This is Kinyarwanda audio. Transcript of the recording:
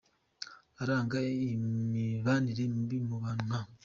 Aranga imibanire mibi mu bantu nka :.